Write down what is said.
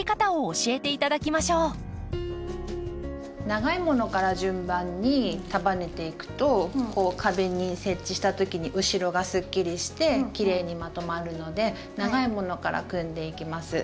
長いものから順番に束ねていくとこう壁に設置した時に後ろがすっきりしてきれいにまとまるので長いものから組んでいきます。